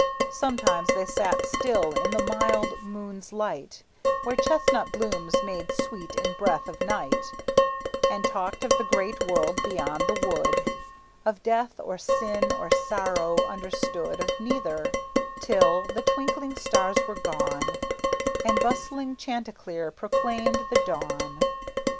Sometimes they sat still in the mild moon's light, Where chestnut blooms made sweet the breath of night, And talked of the great world beyond the wood, Of death, or sin, or sorrow, understood Of neither, till the twinkling stars were gone, And bustling Chanticleer proclaimed the dawn.